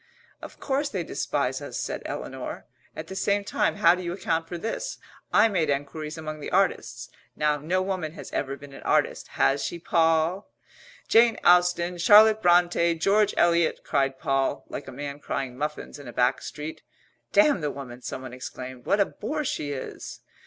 "Of course they despise us," said Eleanor. "At the same time how do you account for this I made enquiries among the artists. Now, no woman has ever been an artist, has she, Poll?" "Jane Austen Charlotte Brontë George Eliot," cried Poll, like a man crying muffins in a back street. "Damn the woman!" someone exclaimed. "What a bore she is!"